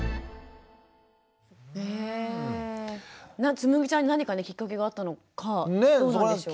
つむぎちゃんに何かきっかけがあったのかどうなんでしょうね？